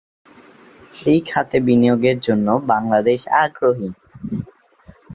এই খাতে বিনিয়োগের জন্য বাংলাদেশ আগ্রহী।